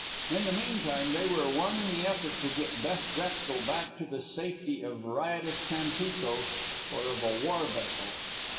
In the meantime they were one in the effort to get Beth Drexel back to the safety of riotous Tampico or of a war vessel.